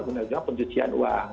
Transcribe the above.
biasanya pencucian uang